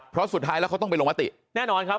เพราะสุดท้ายแล้วเขาต้องไปลงมติแน่นอนครับ